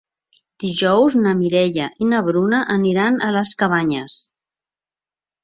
Dijous na Mireia i na Bruna aniran a les Cabanyes.